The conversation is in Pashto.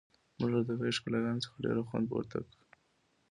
موږ له طبیعي ښکلاګانو څخه ډیر خوند پورته کړ